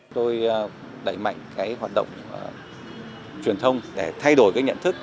tôi đẩy mạnh cái hoạt động truyền thông để thay đổi cái nhận thức